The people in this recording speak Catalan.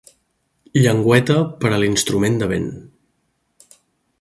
Llengüeta per a l'instrument de vent.